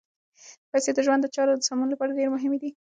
پیسې د ژوند د چارو د سمون لپاره ډېرې مهمې دي.